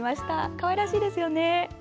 かわいらしいですよね。